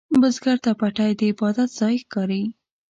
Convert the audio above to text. بزګر ته پټی د عبادت ځای ښکاري